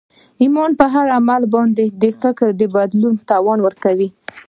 ایمان پر عمل باندې د فکر بدلولو توان ورکوي